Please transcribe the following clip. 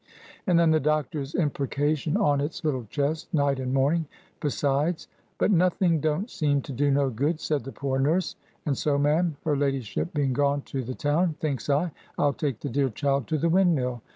And then the doctor's imprecation on its little chest, night and morning, besides; but nothing don't seem to do no good," said the poor nurse. "And so, ma'am,—her ladyship being gone to the town,—thinks I, I'll take the dear child to the windmill.